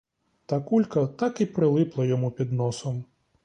Та кулька так і прилипла йому під носом.